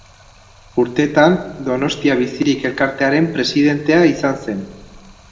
Urtetan Donostia Bizirik elkartearen presidentea izan zen.